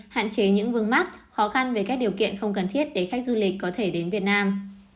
hạn chế những vương mắc khó khăn về các điều kiện không cần thiết để khách du lịch có thể đến việt nam